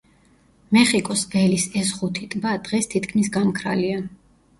მეხიკოს ველის ეს ხუთი ტბა დღეს თითქმის გამქრალია.